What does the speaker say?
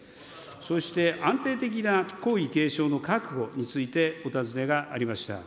そして、安定的な皇位継承の確保について、お尋ねがありました。